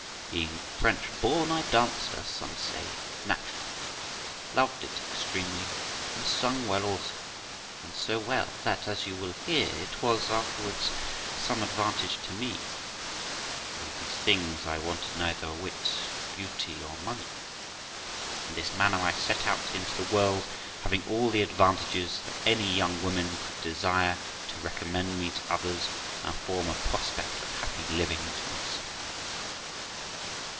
Being French born, I danced, as some say, naturally, loved it extremely, and sang well also, and so well that, as you will hear, it was afterwards some advantage to me. With all these things, I wanted neither wit, beauty, nor money. In this manner I set out into the world, having all the advantages that any young woman could desire, to recommend me to others, and form a prospect of happy living to myself.